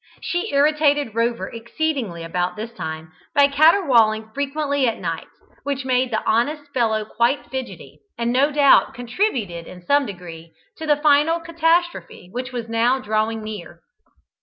She irritated Rover exceedingly about this time by caterwauling frequently at night, which made the honest fellow quite fidgety, and no doubt contributed in some degree to the final catastrophe which was now drawing near.